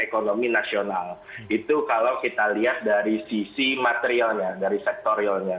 dan ekonomi nasional itu kalau kita lihat dari sisi materialnya dari sektor realnya